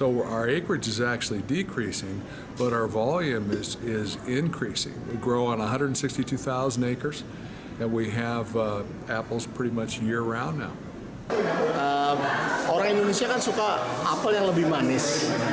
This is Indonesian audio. orang indonesia kan suka apel yang lebih manis